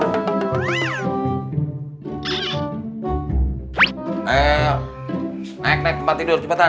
naik naik tempat tidur cepetan